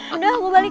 udah gue balik